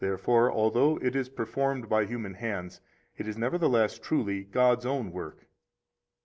Therefore, although it is performed by human hands, it is nevertheless truly God's own work.